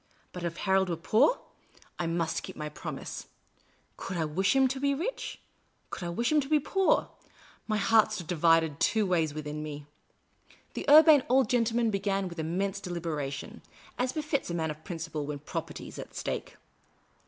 But, if Harold were poor — I must keep my promise. Could I wish him to be rich ? Could I wish him to be poor ? My heart stood divided two ways within me. The Urbane Old Gentleman began with immense delibera tion, as befits a man of principle when Property is at stake.